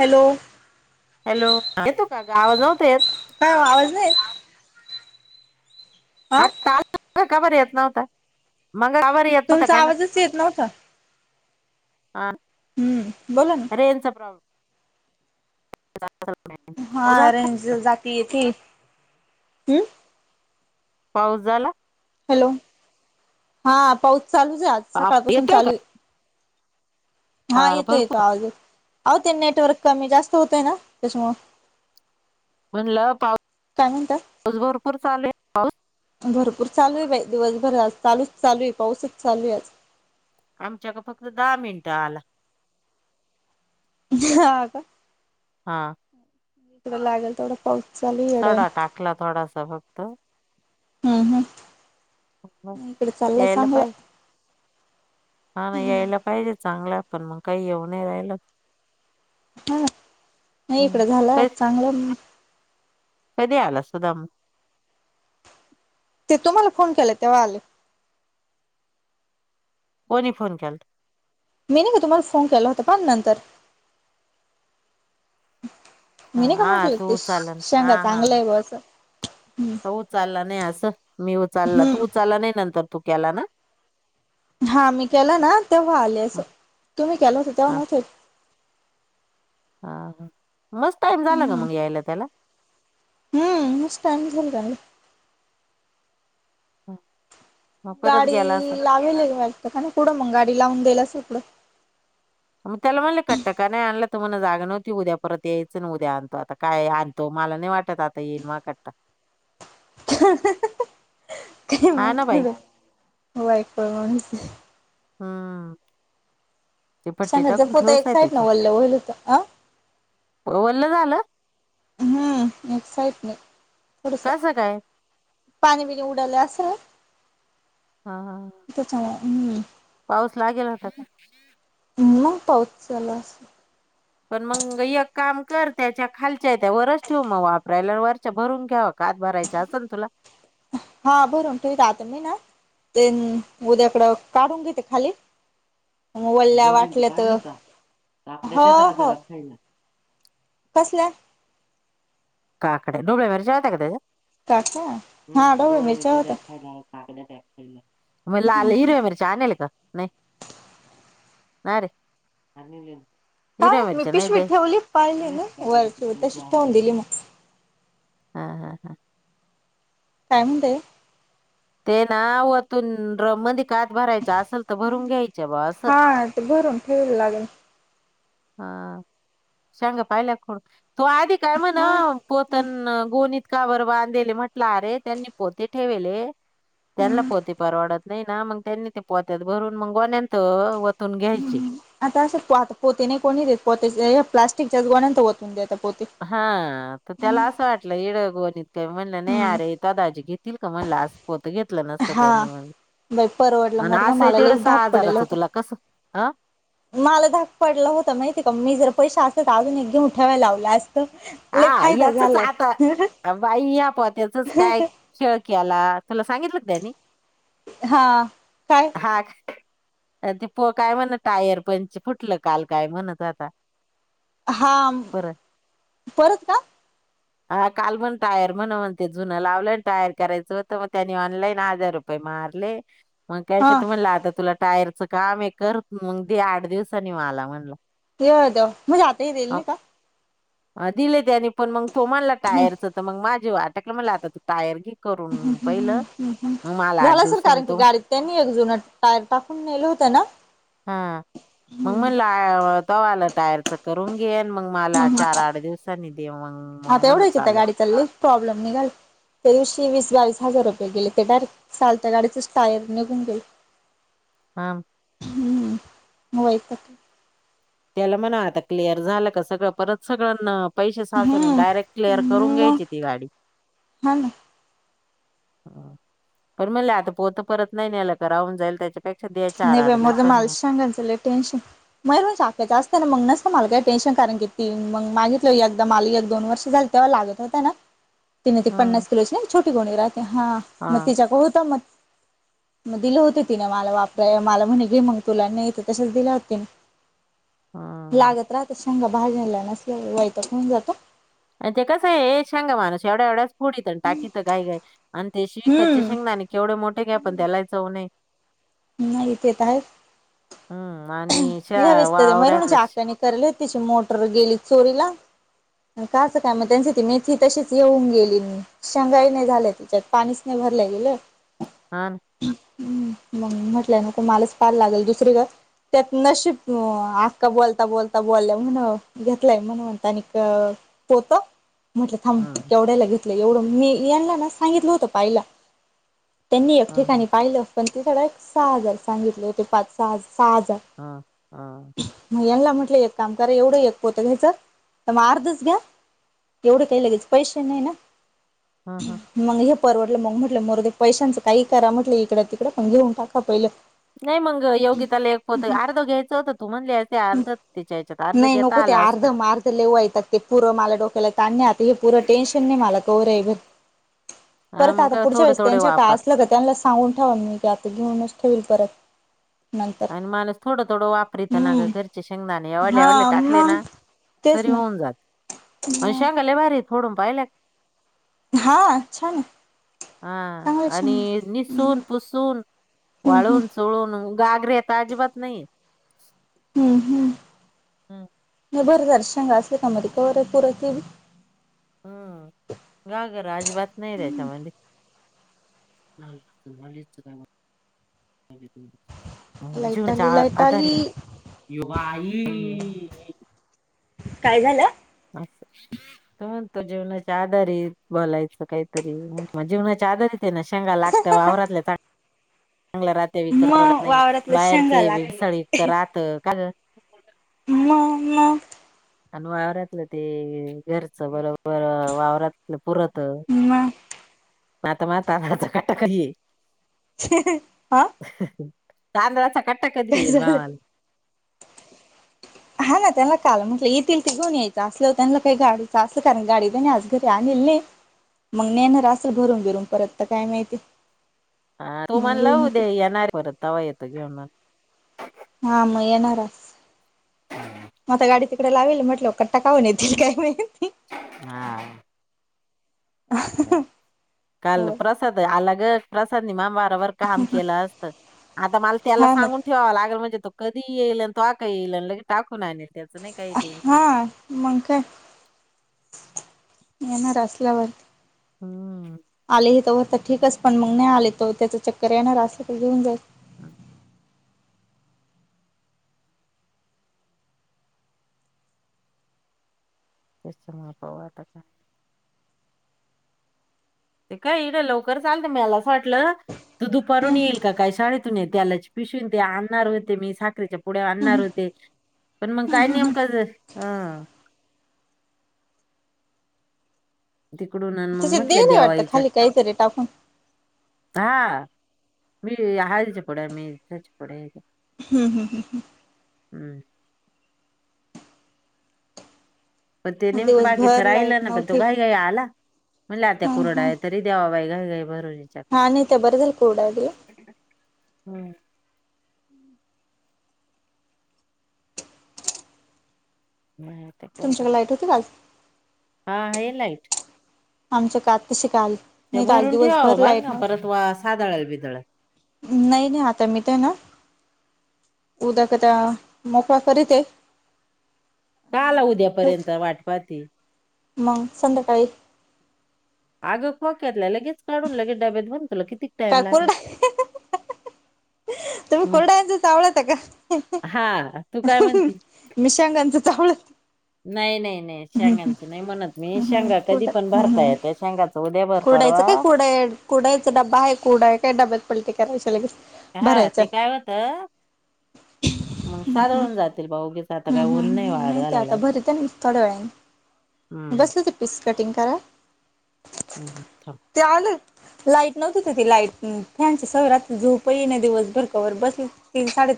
Hello hello येतो आवाज नव्हता येत काय हो आवाज नाही येत आं मगा का बरं येत न होता मंगा का बर येत नव्हता तुमचा का ना आवाजच येत नव्हता हा हम्म बोला ना रेंजचा प्रॉब्लेम [inaudible] पाऊस झाला हा रेंज जाती येते हम् पाऊस झाला हॅलो हा पाऊस चालुच आहे आज आप- सकाळपासून येतोय चालु का आहे. हा येतो येतो आवाज येतो अहो ते नेटवर्क कमी जास्त होतय ना त्याच्यामुळ म्हणलं पाऊस काय म्हणता पाऊस भरपूर चाले पाऊस भरपुर चालु आहे बाई दिवसभर आज चालुच चालु आहे पाऊसच चालु आहे आज आमच्याकड फक्त दहा मिनिटं आला- हा का हा- लागले तेवढा पाऊस चालू आहे येड्यावानी सडा टाकला थोडासा फक्त हम्म म्हणलं, हम् इकडे चाललंय यायला चांगलं पाहिजे हा ना यायला पाहिजे चांगला पण मग काही येऊ न राहिल हा नाही इकडं झालं कधी चांगलं म कधी आला सुधम ते तुम्हाला फोन केला तेव्हा आले. कोणी फोन केलत मी नाही का तुम्हाला फोन केला होता पण नंतर हा मी नाही का हा, म्हटलं ते तू चालन हा शेंगा हा चांगलं हा. आहे बा आस अस मी उचालला तू उचालला नाही नंतर तू केला ना हा मी केला ना तेव्हा आले अस तुम्ही केला होत तेव्हा नव्हत हा हा मस् टाइम झाला ग मग यायला त्याला [inaudible] हम्म लईज टाइम झाल [unintelligible] परत गाडी गेला असं लाविली वाटतं का नाही पुढं मग गाडी लावून देईल आस पुढ मग त्याला म्हणले कट्ट का नाही आणला तर मला जागा नव्हती उद्या परत यायचं ना उद्या आणतो आता काय आणतो मला नाही वाटत आता येईल मा कट्टा [unintelligible] हा ना बाई [unintelligible] हम्म ते पट्टी शेंगा टाकून जपवता एक ठेवचय साईड ना त्याच्या वल्ल होईल होत अ वल्ल झालं हम्म एक्सईट नाही थोडंसं कसं काय पाणी बिणी उडालं असं हा हं हं हम्म पाऊस लागेल आता का म पाऊस चालू अस पण मग एक काम कर त्याच्या खालच्या त्या वरच ठेव मग वापरायला वरच्या भरून घ्यावा, कात भरायच्या असं तुला हा भरून ठेवीन राहात नाही ना ते उद्याकडं काढून घेते खाली वल्ल्या डोबळीन ते वाटल्या काढल तर का हो काकड्याद्या हो दादाला खायला कसल्या काकड्या डोळे वर [unintelligible] का त्याच्या काठ हा डोबलीमिरच होत द्या खायला मग लाल हिरव्या मिरच्या आणेल का नाही ना रे काय हिरव्या माहित मी मिरच्या पिशवी नाहीते ठेवली पाहिली ना वरची तशीच ठेवून दिली मग [unintelligible] हा हा हा [inaudible] काय म्हणते आई ते ना वातून ड्रम मधी ताट भरायच असेल तर भरून घ्यायच बा अस हा ते भरून ठेवायला लागेल हा सांग पाहिल्या [unintelligible] तो आधी काय म्हणा हा हा पोतन गोणी कावर बांधेले म्हटलं अरे त्यांनी पोते ठेवेले त्यांना हम्म पोते परवडत नाही ना मग त्यांनी ते पोत्या भरून मग गोण्यांत वतून घ्यायची आता असे पात पोते नाही कोणी देत पोते प्लास्टिकच्याच गोन्यात ओतून देतात. हा तर त्याला असं वाटलं इड ग [unintelligible] का म्हणलं नाही हम्म अरे दादाजी घेतील का म्हणलं आज पोत घेतलं नसतं हा त्यांनी म्हण बाई परवडला मारुद्य मला लयीच धाक पडेल हजाराचं होता तुला कसं हा मला धाक पडलं होतं माहिती का मी जर पैसे असे तर अजून एक घेऊन ठ्यावा लावला अस हा याचच आता बाई या पोत्याचच काय खेळ केला, तुला सांगितलं त्यानी? हा काय कायते म्हणत टायर पंच फुटलं काल काय म्हणत होता हा परत का हा काल म्हण टायर म्हण म्हणते जुनं लावलंन टायर करायचं होत मग त्यानी ऑनलाईन हजार रुपय हजार रुपये मारले मग काय हा ते म्हणलं आता तुला टायरचं काम आहे करत मग दे आठ दिवसनी मला म्हणलं देतो म्हणजे आता ही देयेल अ, नाही का अ दिले त्यानी पण मग तो म्हणला टायरच तर मग माझे वाटकलं मला आता तू टायर घे ह करून पहिलं ह ह् मग मला आठ झाला सर दिवसांनी कारण की तो गाडीत त्यांनी एकजुन टायर टाकून नेले होत ना [inaudible] हा मग म्हणला तेव्हा आला टायरच करून घेन मग मला चार आठ दिवसांनी दे मंग मंग आता मण एवढ्याच चालल तेवीशे वीस बास हजार रुपये गेले ते डायरेक्ट चालत गाडीचच टायर निघून गेले हा हम्म मबाईप त्याला म्हणा आता क्लिअर झालं का सगळं परत सगळ्यांना पैसे साचवून हम्म डायरेक्ट क्लिअर करून मग घ्यायची ती गाडी हा ना तर म्हणले म्हटले आता पोत परत नाही नाही याला राहून जाईल काय तर नाही बा माझं माल शेंगांच लई टेन्शन म त्याचा असतं ना मग नसत मला काही टेन्शन कारण की तती मग मागितली हो एकदा माल एक दोन वर्ष झाली तेव्हा लागत होत ना तिने ती हम्म पन्नास किलोची छोटी गोणी राहते हा मग तिच्याक होता मग मग दिलं होती तिने मला वाप मला म्हणे तुला की मग तुलांनी इथ तसेच दिल्या होती हा लागत राहत बाहेर जायला नसल्यावर वैतागून जातो आणि ते कसं आहे शेंगा माणूस एवढ्या एवढ्या फोडीत न टाकीत घाई घाई आणि ते विकतचे हम्म शेंगदाने आणि केवढे मोठे घ्या पण त्याला चव नाहीय नाही ते तर आहेच हम्म आणि शा ह्यावेळेस त्याच मेहरुणीची वावरातल्या श- आत्या ने करले त्याची मोटर गेली चोरीला का असं काय मग त्यांची ती मेथी तशीच येऊन गेली शेंगाई नाही झाल्या त्याच्यात पाणीच नाही भरलाय झालं हह हम् मग म्हटलंय नको मलाच पार लागेल दुसरीकड त्यात नशीब आक्का बोलता बोलता बोलल्या म्हण घेतलाय म्हण म्हणत्या आणिक पोत म्हटलं थांब हा केवढ्यायला घेतलं एवढं मी यांना ना सांगितलं होत पायला त्यांनी एक हा ठिकाणी पाहिलं पण ते सडा एक सहा हजार सांगितले ते पाच सहा सहा हजार हा हा मग यांना म्हटलं एक काम एवढं एक पोत घ्याच तर मग अर्धच घ्या एवढं काही लगेच पैसे नाही ना हम हम मग हे परवडलं मग म्हटलं मरोदे ते पैशच काही करा म्हटलं इकडं तिकडं पण घेऊन टाका पहिलं नाही मग योगिताला एक पोत अर्ध घ्यायचं होत तू म्हणले ते अर्ध त्याच्या नाही नको ते अर्ध मारध ले वैतागते ते पुरं मला डोक्याला त आण आता हे परं टेन्शन नाही मला रे हा परत मग आता काय पुढच्या थोडं वेळेस थोडं त्यांच्या काय वापर असलं का त्यांना सांगून ठेवा मी की आता घेऊनच ठेवल परत नंतर आणि माणस थोडं थोडं वापरी तर ना ग हम्म घर शेंगदने एवढे एवढे हा टाकले मग ना तेच तरी ना होऊन जात मग शेंगादाणे फोडून पाहिलात हा छान आहे हा चांगलं शेंगा आणि निसून पुसून हम्म हम्म वाळून चोळून घाबरत अजीबात नाही हम्म हम्म हम नाही बरं झाल शेंगा असल्या का मग थोडं पुरत ना ह गाजर अजिबात नाही त्याच्यामध्ये [unintelligible] लाईट जीवनाच्या आली लाईट आली आधारीत ये बाई काय झालं अस त म्हणतो जीवनाच्या आधारीत बोलायचं काहीतरी मग जीवनाच्या आधारीत त्यांना शेंगा लागतं वावरातल्या च चांगला राहतं विकत म परवडत नाही वावरातल्या शेंगा बाहेरचे लाग विसाळी ईतक राहत काग म म आणि वावरातलं ते घरचं बरोबर हो वावरातलं पुरत म त आत्ता मग [unintelligible] ह ह आ तांदळा सकट काय झालं.. हा ना त्याला काय मग येईल ते घेऊन यायचं असलं येताना काही गाडीच आसते कारण गाडी तर नाही आज घरी आणलेलीच नाही मग नेणार आसंल भरून बिरून परत तर काय माहिती हा तो मग म्हणला घेऊन येते होता येणार परत तवा येतो घेऊन मग हा मग येणार आसल आता गाडी तिकडे लावेल म्हटलं खर तो काय माहित येतील काय नाहि ते हा काल होय प्रसाद आला ग प्रसाद नि मामा तवरका आमचे लावूस्तवर आता माणूस ठेवाला हा ना सांगून ठेवाव लागेल म्हणजे तो कधी येईल अण कवा का येईल लगे टाक हा मग काय येणार असल्यावर हम्म आले हे तवर आता ठीकच पण मग नाही आले तर त्याच चेक कराय येणार असलीत तरी घेऊन जाईल हम तेच मग बघा आता काय ते काय इथं लवकर आलतं मला असं वाटलं तो दुपारून हम्म येईल का काय शाळेतून तेलाची पिशवी ते आणणार होते मी साखरेच्या पुड्या आणणार होते पण मग काय नेमका ड्रेस आ [inaudible] इकडून आणि मग त्याच्यात दे म्हटलं नाही द्यावा वाटतं हिच्या खाली हातनं काहीतरी टाकून हा मी हाय हेच्या पुढे मी इथच पुढे आहे ग हम्म हम्म हम्म हम्म. हम् [inaudible] पण ते नेमकं बाकीचं दिवसभर लाईट राहिलं ना पण तो नव्हती घाई घाई आला म्हणलं आता ह कुरोड्या ह आहे तरी द्याव बाई. काय बाई बर हे‌. हा नेतो बरं झाला कुरड्या दिल्या. हम्म तुमच्याकडे लाईट होती का आज आहे लाईट. आमचं का तस आले. ते भरून ठेवावं नाहि परत वा सादळंल बिदळे नाही नाही आता मी तर ना. उदकता मोकळा फरी ते का आला उद्यापर्यंत वाटपाती. मग संध्याकाळी. अगं कक्यातलं लगेच काढून लगे डब्यात बनत कि. किक टाइम काय कोरडा लागणार. तुम्ही मग कोरडायचं चावडता का. हा तू काय म्हणती मिशांगांचं वलं. [unintelligible] नाही नाही. नाही शेगांचं नाही म्हणत मी शेगा कधी पण भरता कुठं येत शेगाच उद्या भरपारवा. कुरडइचा डबा आहे कुरडइ आहे का डब्यात पलते कराय लगेच. हा भरायचा ते काय होतं मग साधळून जातील बाउगीच. ह ह नाही ते आता भरीत थोड्या वेळा हम्म बसले ते पीस कटिंग करा. ब [unintelligible] हम् ह [inaudible] लाईट नव्हत होत ती लाईट फॅन सयव राहती झोप येई ना दिवस भर कवर बस तीन साडे तीन.